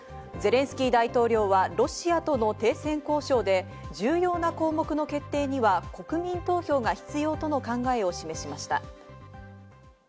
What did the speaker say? ゼレンスキー大統領はロシアとの停戦交渉で重要な項目の決定には国民投票が必要との考えを示しました。